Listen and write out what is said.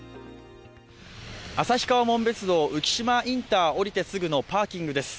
旭川・紋別道、浮島インター、降りてすぐのパーキングです。